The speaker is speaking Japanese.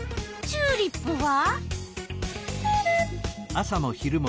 チューリップは？